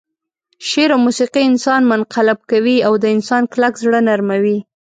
شعر او موسيقي انسان منقلب کوي او د انسان کلک زړه نرموي.